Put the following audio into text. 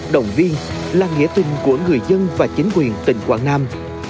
động viên là nghĩa tình của người dân và chính quyền tỉnh quảng nam